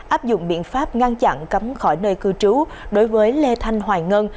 áp dụng biện pháp ngăn chặn cấm khỏi nơi cư trú đối với lê thanh hoài ngân